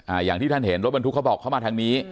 อย่างที่ท่านเห็นรถบรรทุกเขาบอกเขามาทางนี้